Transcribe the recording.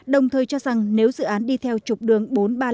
đồng thời cho rằng nếu dự án đi theo trục đường bốn ba năm